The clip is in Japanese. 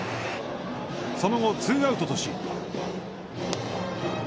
その後、ツーアウトとし。